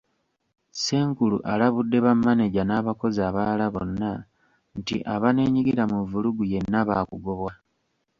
Ssenkulu alabudde bamaneja n’abakozi abalala bonna nti abaneenyigira mu vvulugu yenna baakugobwa.